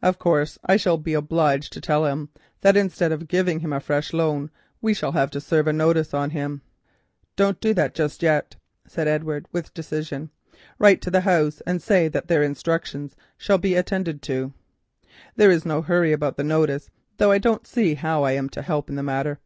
Of course I shall be obliged to tell him that instead of giving a fresh loan we have orders to serve a notice on him." "Don't do that just yet," said Edward with decision. "Write to the house and say that their instructions shall be attended to. There is no hurry about the notice, though I don't see how I am to help in the matter.